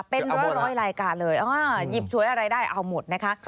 เป็นร้อยรายการเลยหยิบฉวยอะไรได้เอาหมดนะคะ